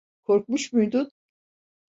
Korkmuş muydun?